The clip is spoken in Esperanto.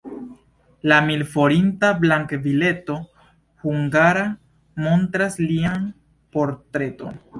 La mil-forinta bank-bileto hungara montras lian portreton.